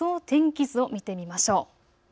天気図を見てみましょう。